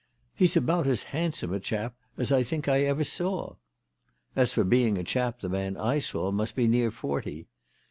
" He's about as handsome a chap as I think I ever saw." "As for being a chap the man I saw must be near forty."